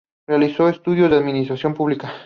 Realizó estudios en administración pública.